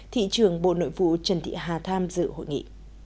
thị trường bộ nội vụ trần thị hà tham dự hội nghị